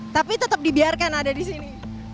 tapi tetap dibiarkan ada di sini